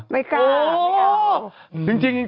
ไม่กลัวไม่เอา